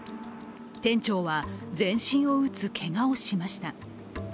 店長は全身を打つけがをしました。